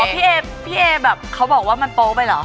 พี่เอพี่เอแบบเขาบอกว่ามันโป๊ไปเหรอ